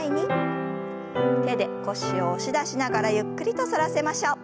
手で腰を押し出しながらゆっくりと反らせましょう。